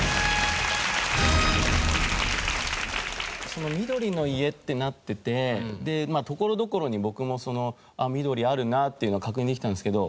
その緑の家ってなっててで所々に僕もその緑あるなっていうの確認できたんですけど。